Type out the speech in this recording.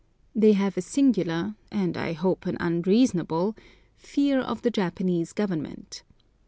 They have a singular, and I hope an unreasonable, fear of the Japanese Government.